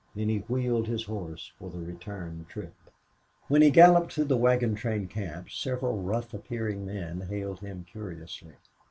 Then he wheeled his horse for the return trip. When he galloped through the wagon train camp several rough appearing men hailed him curiously.